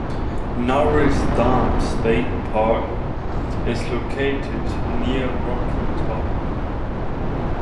Norris Dam State Park is located near Rocky Top.